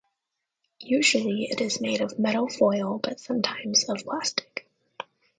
Usually, it is made of metal foil, but sometimes of plastic.